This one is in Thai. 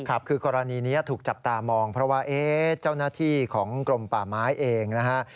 ครับคือกรณีนี้ถูกจับตามองเพราะว่าเจ้าหน้าที่ของกรมป่าไม้เองนะฮะ